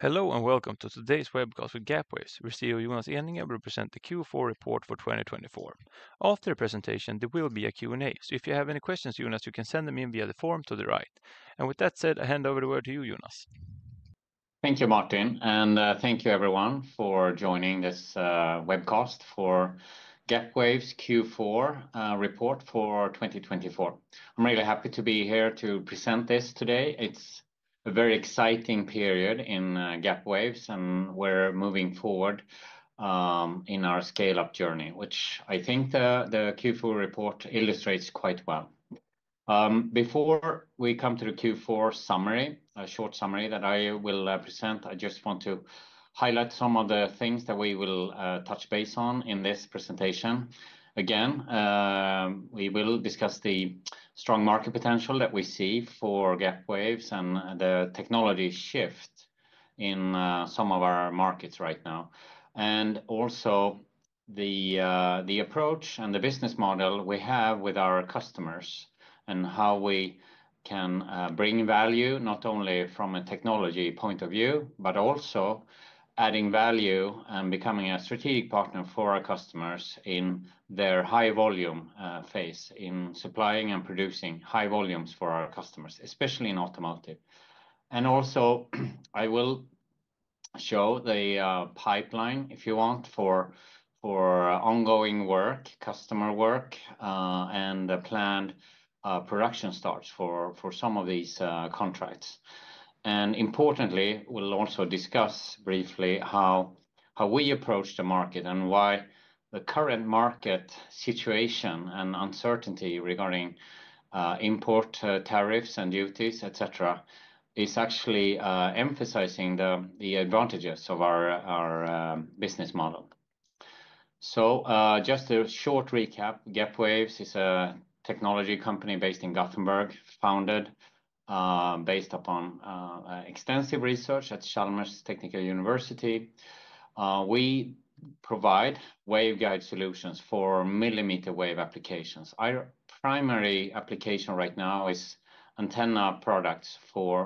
Hello and welcome to today's webcast with Gapwaves. We're seeing Jonas Ehinger represent the Q4 report for 2024. After the presentation, there will be a Q&A, so if you have any questions, Jonas, you can send them in via the form to the right. With that said, I hand over the word to you, Jonas. Thank you, Martin, and thank you everyone for joining this webcast for Gapwaves Q4 report for 2024. I'm really happy to be here to present this today. It's a very exciting period in Gapwaves, and we're moving forward um in our scale-up journey, which I think the Q4 report illustrates quite well. Before we come to the Q4 summary, a short summary that I will present, I just want to highlight some of the things that we will touch base on in this presentation. Again, we will discuss the strong market potential that we see for Gapwaves and the technology shift in some of our markets right now. And also, the approach and the business model we have with our customers and how we can bring value not only from a technology point of view, but also adding value and becoming a strategic partner for our customers in their high-volume phase in supplying and producing high volumes for our customers, especially in automotive. And also, I will show the pipeline, if you want, for ongoing work, customer work, and planned production starts for some of these contracts. And importantly, we'll also discuss briefly how we approach the market and why the current market situation and uncertainty regarding import tariffs and duties, etc., is actually emphasizing the advantages of our business model. Just a short recap, Gapwaves is a technology company based in Gothenburg, founded based upon extensive research at Chalmers University of Technology. We provide waveguide solutions for millimeter wave applications. Our primary application right now is antenna products,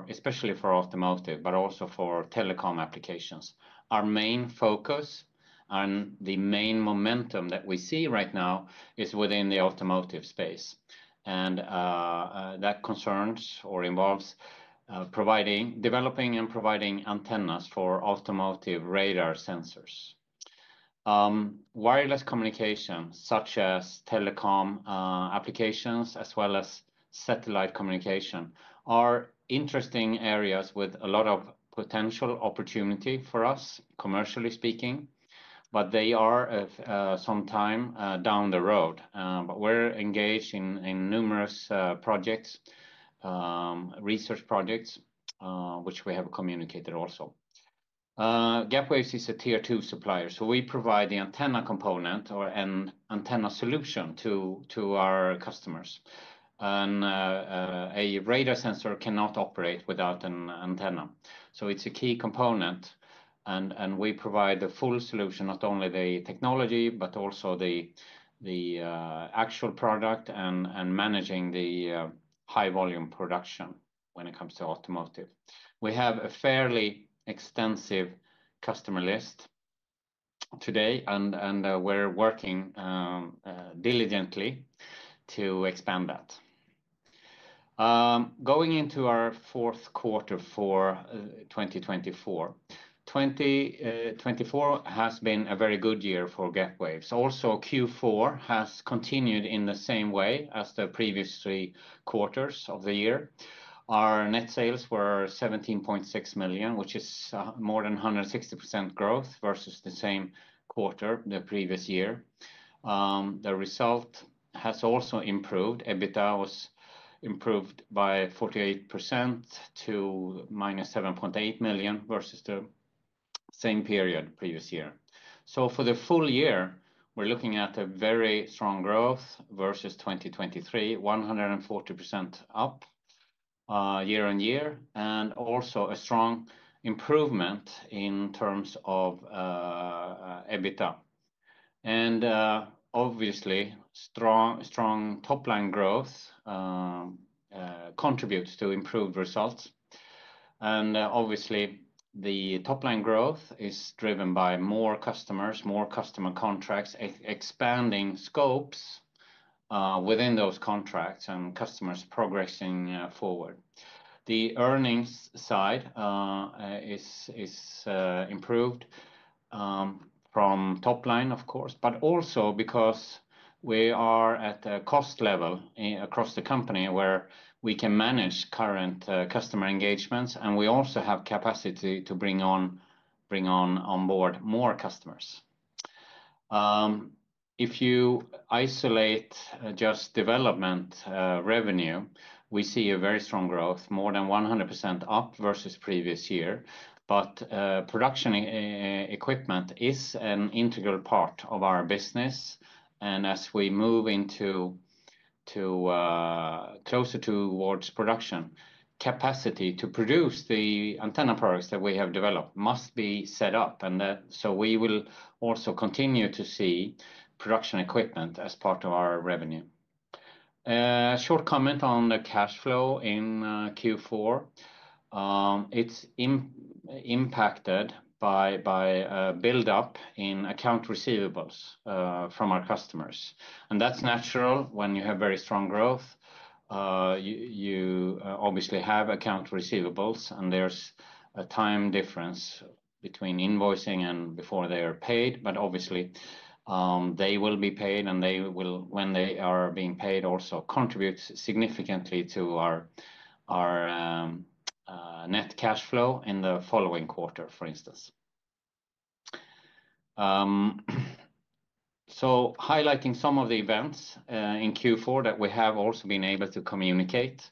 especially for automotive, but also for telecom applications. Our main focus and the main momentum that we see right now is within the automotive space, and that concerns or involves developing and providing antennas for automotive radar sensors. Wireless communication, such as telecom applications, as well as satellite communication, are interesting areas with a lot of potential opportunity for us, commercially speaking, but they are some time down the road. We are engaged in numerous projects, research projects, which we have communicated also. Gapwaves is a tier two supplier, so we provide the antenna component or an antenna solution to our customers. A radar sensor cannot operate without an antenna. It is a key component, and we provide the full solution, not only the technology, but also the actual product and managing the high volume production when it comes to automotive. We have a fairly extensive customer list today, and we're working diligently to expand that. Going into our fourth quarter for 2024, 2024 has been a very good year for Gapwaves. Also, Q4 has continued in the same way as the previous three quarters of the year. Our net sales were 17.6 million, which is more than 160% growth versus the same quarter the previous year. The result has also improved. EBITDA was improved by 48% to minus 7.8 million versus the same period previous year. For the full year, we're looking at a very strong growth versus 2023, 140% up year on year, and also a strong improvement in terms of EBITDA. Obviously, strong top-line growth contributes to improved results. Obviously, the top-line growth is driven by more customers, more customer contracts, expanding scopes within those contracts and customers progressing forward. The earnings side is improved from top line, of course, but also because we are at a cost level across the company where we can manage current customer engagements, and we also have capacity to bring on board more customers. If you isolate just development revenue, we see a very strong growth, more than 100% up versus previous year. But production equipment is an integral part of our business. And as we move closer towards production, capacity to produce the antenna products that we have developed must be set up. So we will also continue to see production equipment as part of our revenue. A short comment on the cash flow in Q4, it's impacted by build-up in account receivables from our customers. That's natural when you have very strong growth. You obviously have account receivables, and there's a time difference between invoicing and before they are paid. Obviously, they will be paid, and when they are being paid, also contributes significantly to our net cash flow in the following quarter, for instance. Highlighting some of the events in Q4 that we have also been able to communicate.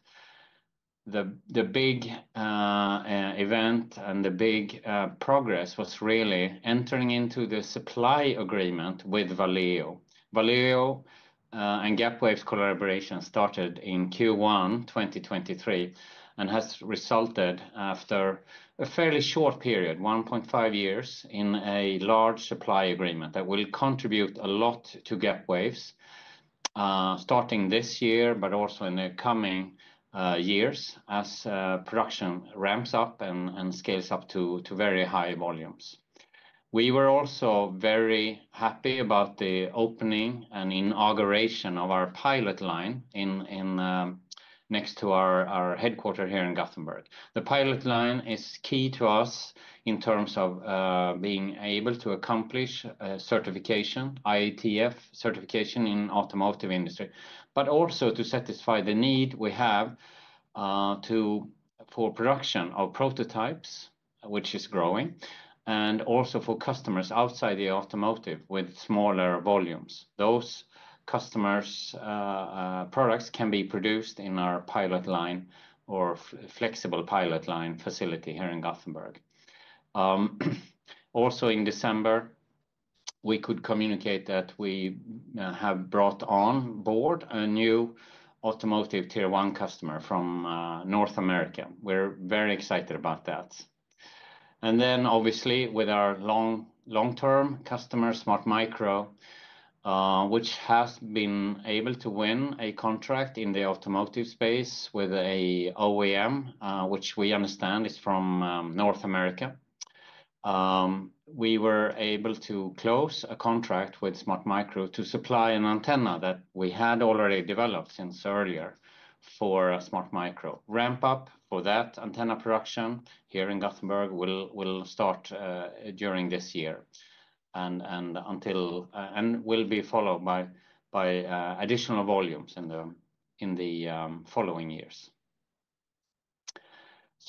The big event and the big progress was really entering into the supply agreement with Valeo. Valeo and Gapwaves collaboration started in Q1 2023 and has resulted after a fairly short period, 1.5 years, in a large supply agreement that will contribute a lot to Gapwaves, starting this year, but also in the coming years as production ramps up and scales up to very high volumes. We were also very happy about the opening and inauguration of our pilot line next to our headquarter here in Gothenburg. The pilot line is key to us in terms of being able to accomplish certification, IATF certification in the automotive industry, but also to satisfy the need we have for production of prototypes, which is growing, and also for customers outside the automotive with smaller volumes. Those customers' products can be produced in our pilot line or flexible pilot line facility here in Gothenburg. Also, in December, we could communicate that we have brought on board a new automotive tier one customer from North America. We are very excited about that. Obviously, with our long-term customer, SmartMicro, which has been able to win a contract in the automotive space with an OEM, which we understand is from North America, we were able to close a contract with SmartMicro to supply an antenna that we had already developed since earlier for SmartMicro. Ramp-up for that antenna production here in Gothenburg will start during this year and will be followed by additional volumes in the following years.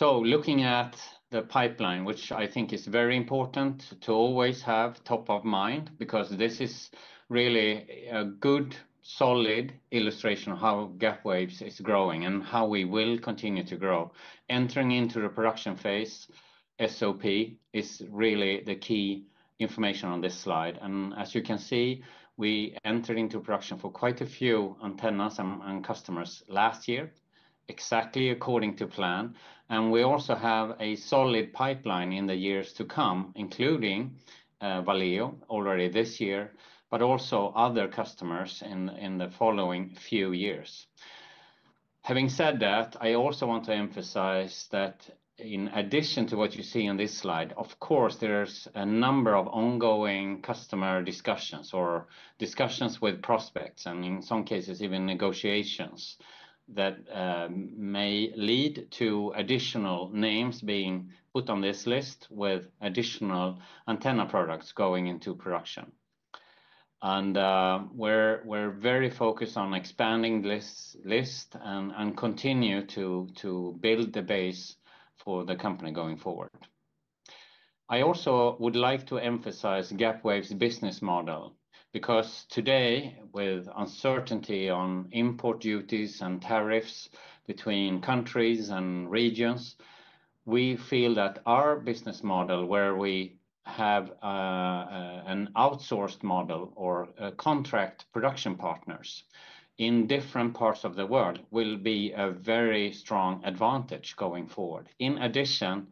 Looking at the pipeline, which I think is very important to always have top of mind, because this is really a good, solid illustration of how Gapwaves is growing and how we will continue to grow. Entering into the production phase, SOP, is really the key information on this slide. As you can see, we entered into production for quite a few antennas and customers last year, exactly according to plan. We also have a solid pipeline in the years to come, including Valeo already this year, but also other customers in the following few years. Having said that, I also want to emphasize that in addition to what you see on this slide, of course, there's a number of ongoing customer discussions or discussions with prospects, and in some cases, even negotiations that may lead to additional names being put on this list with additional antenna products going into production. We are very focused on expanding the list and continue to build the base for the company going forward. I also would like to emphasize Gapwaves' business model, because today, with uncertainty on import duties and tariffs between countries and regions, we feel that our business model, where we have an outsourced model or contract production partners in different parts of the world, will be a very strong advantage going forward. In addition,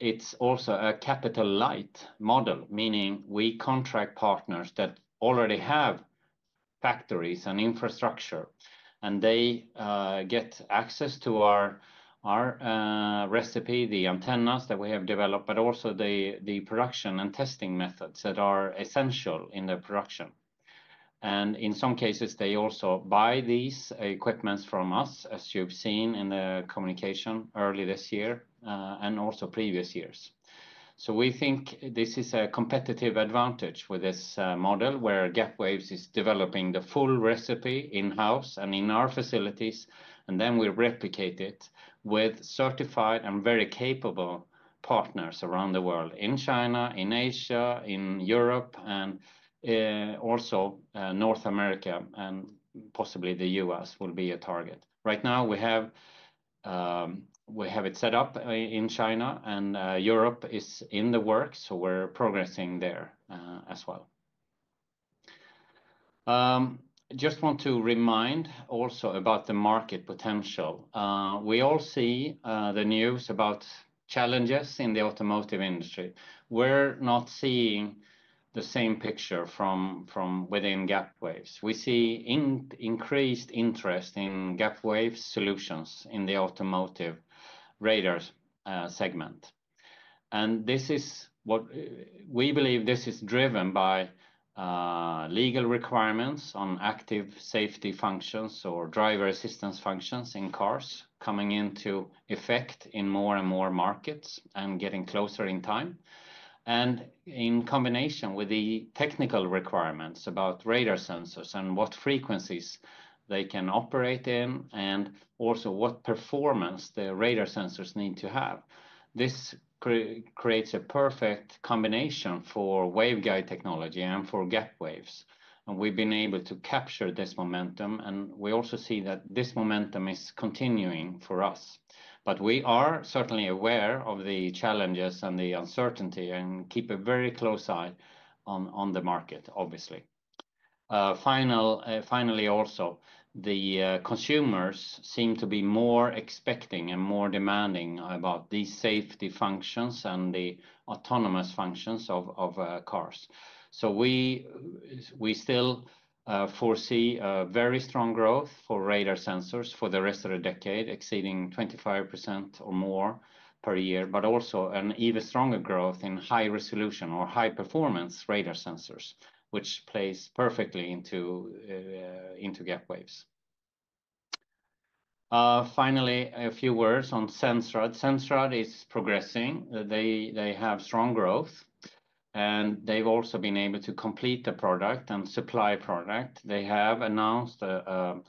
it's also a capital light model, meaning we contract partners that already have factories and infrastructure, and they get access to our recipe, the antennas that we have developed, but also the production and testing methods that are essential in the production. In some cases, they also buy these equipments from us, as you've seen in the communication early this year and also previous years. We think this is a competitive advantage with this model where Gapwaves is developing the full recipe in-house and in our facilities, and then we replicate it with certified and very capable partners around the world, in China, in Asia, in Europe, and also North America and possibly the U.S. will be a target. Right now, we have it set up in China, and Europe is in the works, so we're progressing there as well. Just want to remind also about the market potential. We all see the news about challenges in the automotive industry. We're not seeing the same picture from within Gapwaves. We see increased interest in Gapwaves solutions in the automotive radar segment. We believe this is driven by legal requirements on active safety functions or driver assistance functions in cars coming into effect in more and more markets and getting closer in time. In combination with the technical requirements about radar sensors and what frequencies they can operate in and also what performance the radar sensors need to have, this creates a perfect combination for waveguide technology and for Gapwaves. We've been able to capture this momentum, and we also see that this momentum is continuing for us. We are certainly aware of the challenges and the uncertainty and keep a very close eye on the market, obviously. Finally, also, the consumers seem to be more expecting and more demanding about these safety functions and the autonomous functions of cars. We still foresee a very strong growth for radar sensors for the rest of the decade, exceeding 25% or more per year, but also an even stronger growth in high-resolution or high-performance radar sensors, which plays perfectly into Gapwaves. Finally, a few words on Sensrad. Sensrad is progressing. They have strong growth, and they've also been able to complete the product and supply product. They have announced an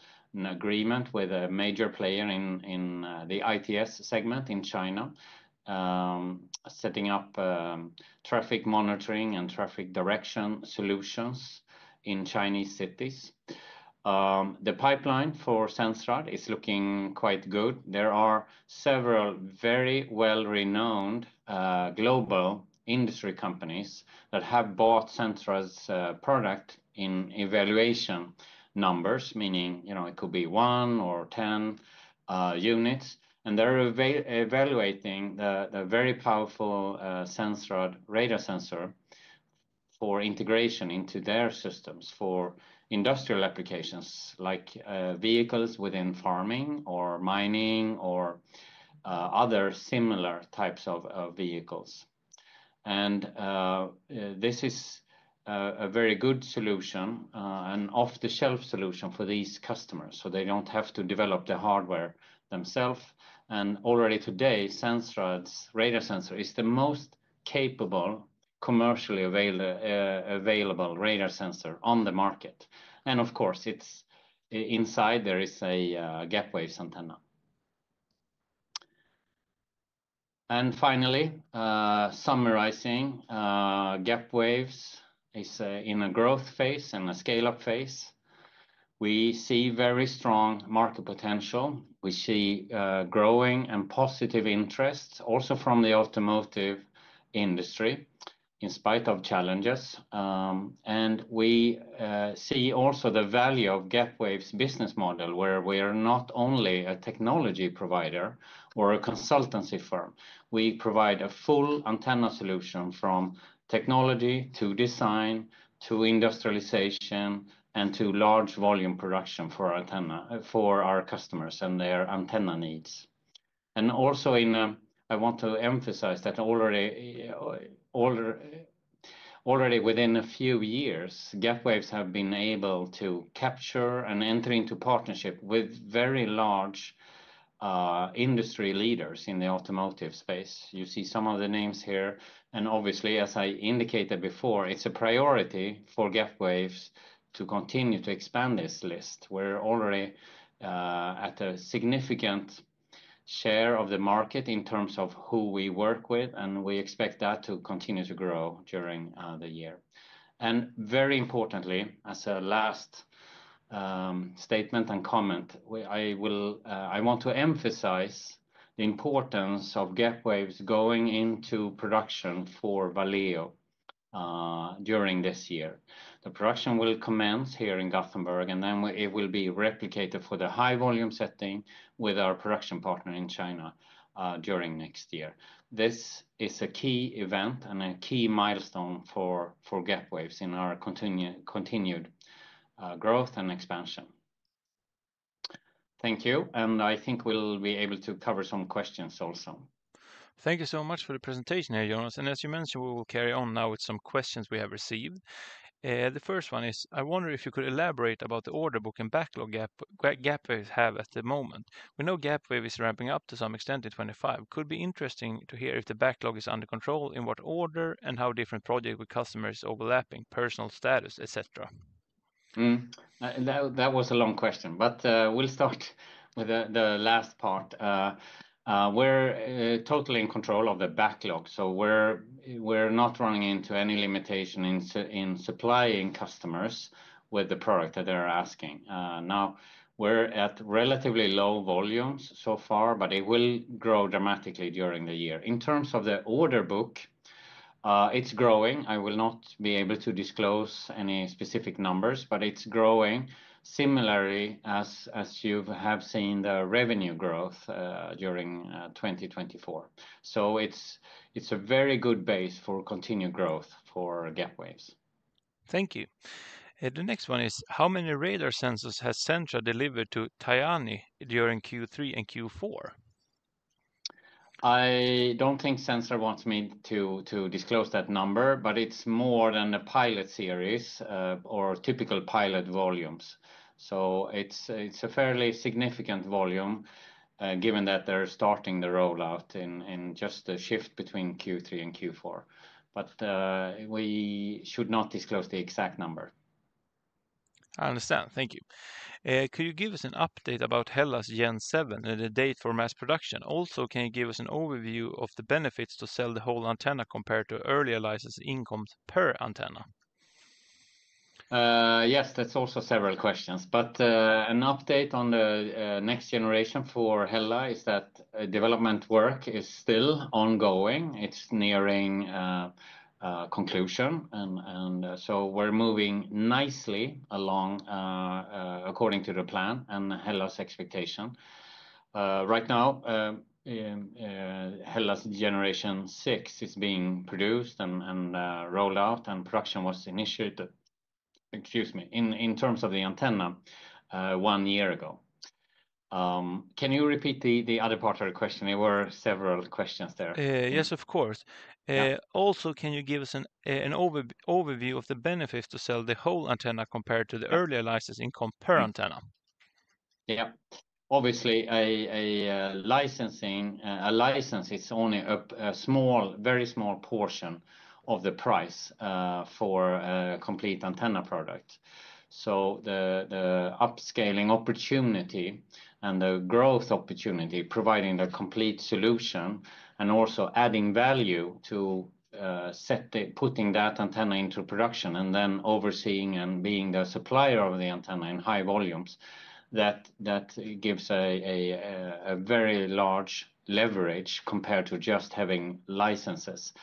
agreement with a major player in the ITS segment in China, setting up traffic monitoring and traffic direction solutions in Chinese cities. The pipeline for Sensrad is looking quite good. There are several very well-renowned global industry companies that have bought Sensrad's product in evaluation numbers, meaning it could be 1 or 10 units. They're evaluating the very powerful Sensrad radar sensor for integration into their systems for industrial applications like vehicles within farming or mining or other similar types of vehicles. This is a very good solution and off-the-shelf solution for these customers, so they do not have to develop the hardware themselves. Already today, Sensrad's radar sensor is the most capable commercially available radar sensor on the market. Of course, inside there is a Gapwaves antenna. Finally, summarizing, Gapwaves is in a growth phase and a scale-up phase. We see very strong market potential. We see growing and positive interest also from the automotive industry in spite of challenges. We see also the value of Gapwaves' business model, where we are not only a technology provider or a consultancy firm. We provide a full antenna solution from technology to design to industrialization and to large volume production for our customers and their antenna needs. I want to emphasize that already within a few years, Gapwaves have been able to capture and entering to partnership with very large industry leaders in the automotive space. You see some of the names here. Obviously, as I indicated before, it's a priority for Gapwaves to continue to expand this list. We're already at a significant share of the market in terms of who we work with, and we expect that to continue to grow during the year. And very importantly, as a last statement and comment, I want to emphasize the importance of Gapwaves going into production for Valeo during this year. The production will commence here in Gothenburg, and then it will be replicated for the high-volume setting with our production partner in China during next year. This is a key event and a key milestone for Gapwaves in our continued growth and expansion. Thank you. I think we'll be able to cover some questions also. Thank you so much for the presentation here, Jonas. As you mentioned, we will carry on now with some questions we have received. The first one is, I wonder if you could elaborate about the order book and backlog Gapwaves have at the moment. We know Gapwaves is ramping up to some extent in 2025. Could be interesting to hear if the backlog is under control, in what order, and how different projects with customers overlapping, personal status, etc. That was a long question, but we'll start with the last part. We're totally in control of the backlog, so we're not running into any limitation in supplying customers with the product that they're asking. Now, we're at relatively low volumes so far, but it will grow dramatically during the year. In terms of the order book, it's growing. I will not be able to disclose any specific numbers, but it's growing, similarly as you have seen the revenue growth during 2024. It is a very good base for continued growth for Gapwaves. Thank you. The next one is, how many radar sensors has Sensrad delivered to Tianyi during Q3 and Q4? I don't think Sensrad wants me to disclose that number, but it's more than the pilot series or typical pilot volumes. It is a fairly significant volume given that they're starting the rollout in just the shift between Q3 and Q4. But uh we should not disclose the exact number. I understand. Thank you. Could you give us an update about Hella's Gen7 and the date for mass production? Also, can you give us an overview of the benefits to sell the whole antenna compared to earlier license income per antenna? Yes, that's also several questions. An update on the next generation for Hella is that development work is still ongoing. It's nearing conclusion. We are moving nicely along according to the plan and Hella's expectation. Right now, Hella's generation six is being produced and rolled out, and production was initiated, excuse me, in terms of the antenna one year ago. Can you repeat the other part of the question? There were several questions there. Yes, of course. Also, can you give us an overview of the benefits to sell the whole antenna compared to the earlier license income per antenna? Yep. Obviously, a license is only a small, very small portion of the price for a complete antenna product. The upscaling opportunity and the growth opportunity providing the complete solution and also adding value to putting that antenna into production and then overseeing and being the supplier of the antenna in high volumes, that gives a very large leverage compared to just having licenses.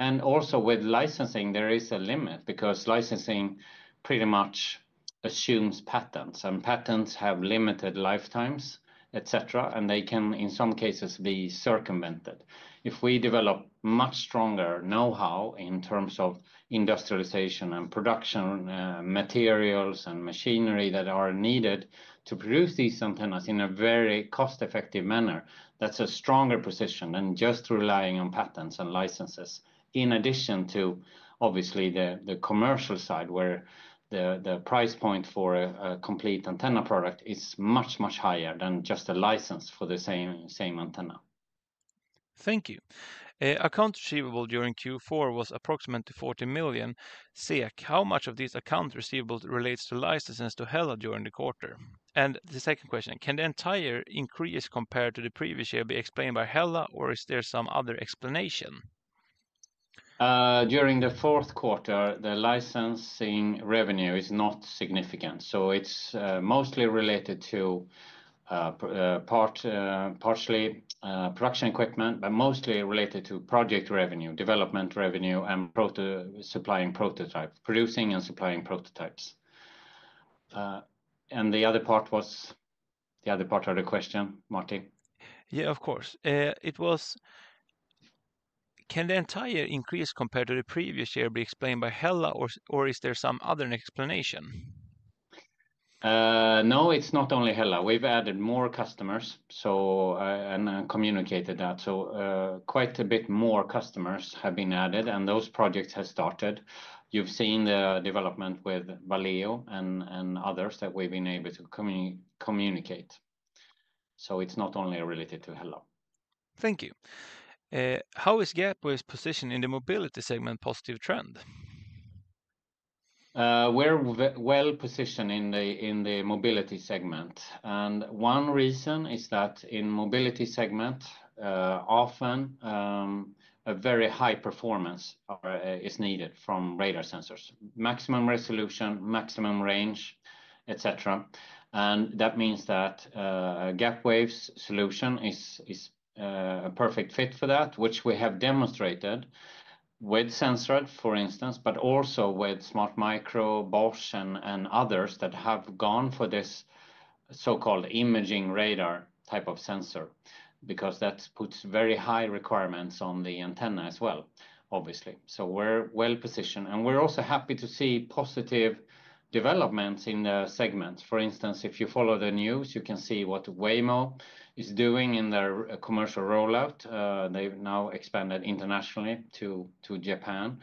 Also with licensing, there is a limit because licensing pretty much assumes patents, and patents have limited lifetimes, etc., and they can, in some cases, be circumvented. If we develop much stronger know-how in terms of industrialization and production materials and machinery that are needed to produce these antennas in a very cost-effective manner, that is a stronger position than just relying on patents and licenses, in addition to, obviously, the commercial side where the price point for a complete antenna product is much, much higher than just a license for the same antenna. Thank you. Accounts receivable during Q4 was approximately 40 million SEK. How much of these accounts receivable relates to licenses to Hella during the quarter? The second question, can the entire increase compared to the previous year be explained by Hella, or is there some other explanation? During the fourth quarter, the licensing revenue is not significant. It is mostly related to partially production equipment, but mostly related to project revenue, development revenue, and supplying prototypes, producing and supplying prototypes. The other part was the other part of the question, Martin? Yeah, of course. It was, can the entire increase compared to the previous year be explained by Hella, or is there some other explanation? No, it is not only Hella. We have added more customers, and I communicated that. Quite a bit more customers have been added, and those projects have started. You have seen the development with Valeo and others that we have been able to communicate. It is not only related to Hella. Thank you. How is Gapwaves positioned in the mobility segment positive trend? We are well positioned in the mobility segment. And one reason is that in the mobility segment, often a very high performance is needed from radar sensors, maximum resolution, maximum range, etc. That means that Gapwaves' solution is a perfect fit for that, which we have demonstrated with Sensrad, for instance, but also with SmartMicro, Bosch, and others that have gone for this so-called imaging radar type of sensor because that puts very high requirements on the antenna as well, obviously. We are well positioned. We are also happy to see positive developments in the segment. For instance, if you follow the news, you can see what Waymo is doing in their commercial rollout. They have now expanded internationally to Japan,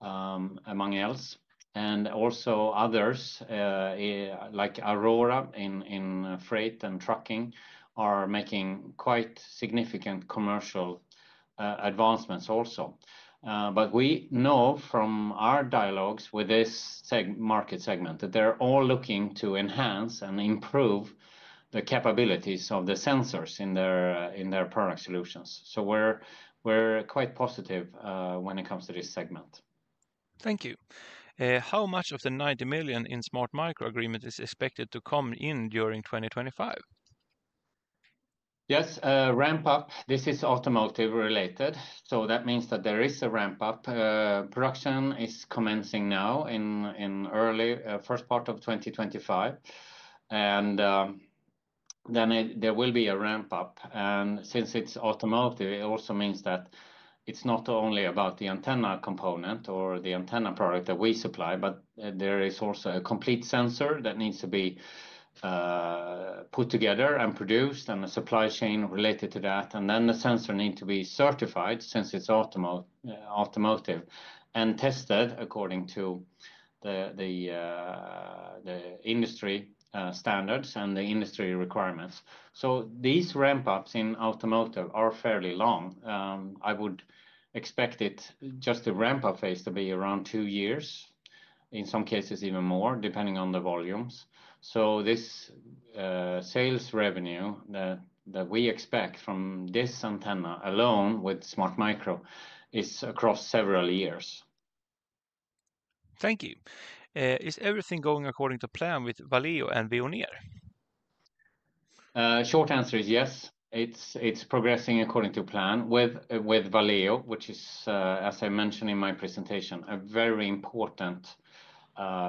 among else. Others like Aurora in freight and trucking are making quite significant commercial advancements also. We know from our dialogues with this market segment that they're all looking to enhance and improve the capabilities of the sensors in their product solutions. We are quite positive when it comes to this segment. Thank you. How much of the 90 million in the SmartMicro agreement is expected to come in during 2025? Yes, ramp-up. This is automotive-related. That means there is a ramp-up. Production is commencing now in the first part of 2025. There will be a ramp-up. Since it is automotive, it also means that it is not only about the antenna component or the antenna product that we supply, but there is also a complete sensor that needs to be put together and produced and a supply chain related to that. The sensor needs to be certified since it's automotive and tested according to the industry standards and the industry requirements. These ramp-ups in automotive are fairly long. I would expect just the ramp-up phase to be around two years, in some cases even more, depending on the volumes. This sales revenue that we expect from this antenna alone with SmartMicro is across several years. Thank you. Is everything going according to plan with Valeo and Veoneer? Short answer is yes. It's progressing according to plan with Valeo, which is, as I mentioned in my presentation, a very important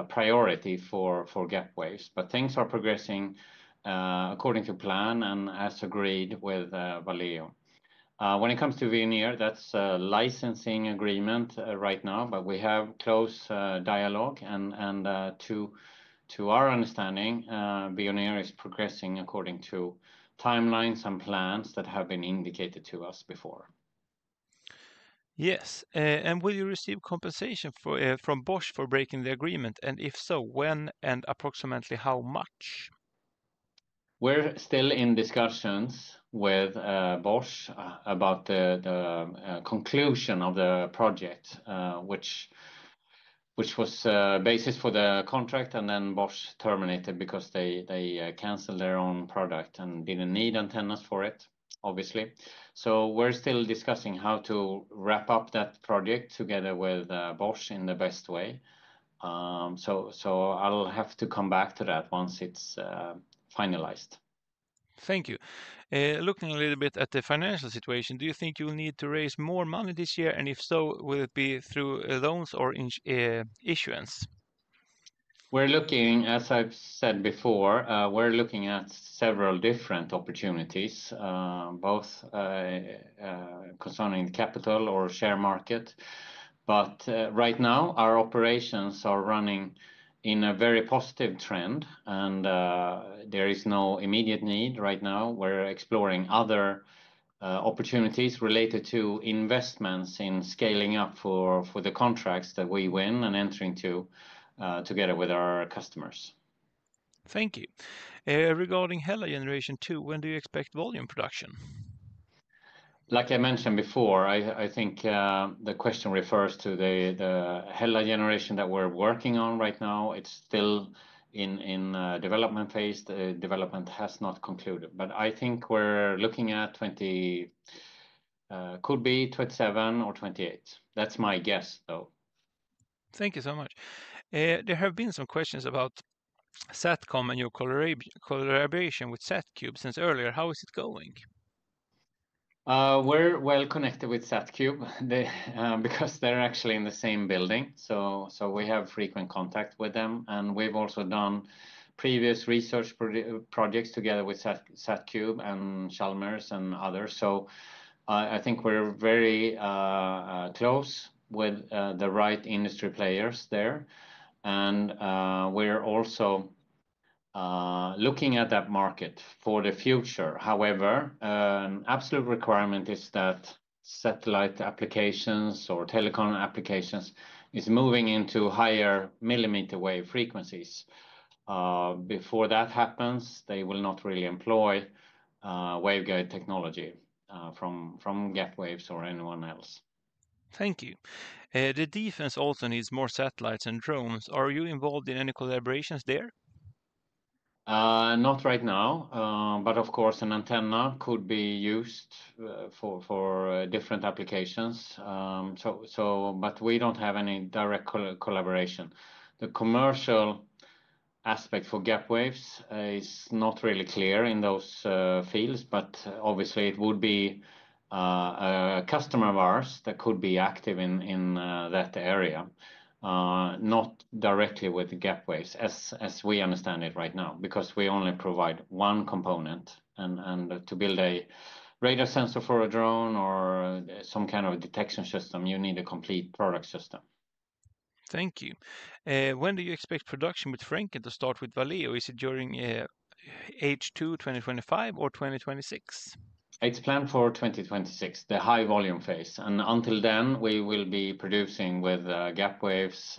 priority for Gapwaves. Things are progressing according to plan and as agreed with Valeo. When it comes to Veoneer, that's a licensing agreement right now, but we have close dialogue. To our understanding, Veoneer is progressing according to timelines and plans that have been indicated to us before. Yes. Will you receive compensation from Bosch for breaking the agreement? If so, when and approximately how much? We are still in discussions with Bosch about the conclusion of the project, which was basis for the contract. Bosch terminated because they canceled their own product and did not need antennas for it, obviously. We are still discussing how to wrap up that project together with Bosch in the best way. I will have to come back to that once it is finalized. Thank you. Looking a little bit at the financial situation, do you think you will need to raise more money this year? If so, will it be through loans or issuance? We're looking, as I've said before, we're looking at several different opportunities, both concerning capital or share market. Right now, our operations are running in a very positive trend, and there is no immediate need right now. We're exploring other opportunities related to investments in scaling up for the contracts that we win and enter into together with our customers. Thank you. Regarding Hella Generation 2, when do you expect volume production? Like I mentioned before, I think the question refers to the Hella generation that we're working on right now. It's still in development phase. The development has not concluded. I think we're looking at 2027 or 2028. That's my guess, though. Thank you so much. There have been some questions about Satcom and your collaboration with Satcube since earlier. How is it going? We're well connected with Satcube because they're actually in the same building. We have frequent contact with them. We've also done previous research projects together with Satcube and Chalmers and others. I think we're very close with the right industry players there. We're also looking at that market for the future. However, an absolute requirement is that satellite applications or telecom applications are moving into higher millimeter wave frequencies. Before that happens, they will not really employ waveguide technology from Gapwaves or anyone else. Thank you. The defense also needs more satellites and drones. Are you involved in any collaborations there? Not right now. Of course, an antenna could be used for different applications. We don't have any direct collaboration. The commercial aspect for Gapwaves is not really clear in those fields, but obviously, it would be a customer of ours that could be active in that area, not directly with Gapwaves as we understand it right now because we only provide one component. To build a radar sensor for a drone or some kind of a detection system, you need a complete product system. Thank you. When do you expect production with Frenken to start with Valeo? Is it during H2 2025 or 2026? It is planned for 2026, the high volume phase. Until then, we will be producing with Gapwaves'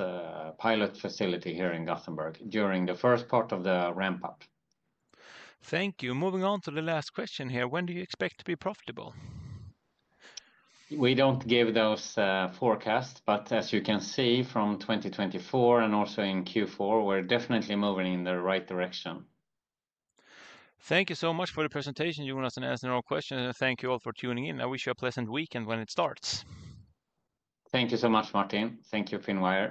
pilot facility here in Gothenburg during the first part of the ramp-up. Thank you. Moving on to the last question here. When do you expect to be profitable? We don't give those forecasts, but as you can see from 2024 and also in Q4, we're definitely moving in the right direction. Thank you so much for the presentation, Jonas, and answering all questions. Thank you all for tuning in. I wish you a pleasant weekend when it starts. Thank you so much, Martin. Thank you, Finnwe.